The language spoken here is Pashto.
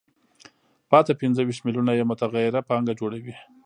پاتې پنځه ویشت میلیونه یې متغیره پانګه جوړوي